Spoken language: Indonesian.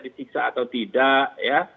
disiksa atau tidak